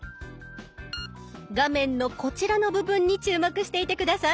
画面のこちらの部分に注目していて下さい。